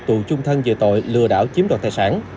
tù chung thân về tội lừa đảo chiếm đoàn tài sản